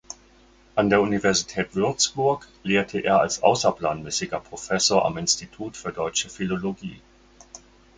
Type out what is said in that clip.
An der Universität Würzburg lehrte er als außerplanmäßiger Professor am Institut für Deutsche Philologie.